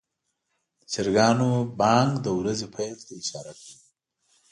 د چرګانو بانګ د ورځې پیل ته اشاره کوي.